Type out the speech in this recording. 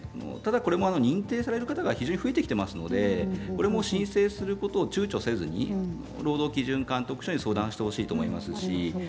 ただこれも認定される方が非常に増えてきていますのでこれも申請することをちゅうちょせずに労働基準監督署に相談してほしいと思います。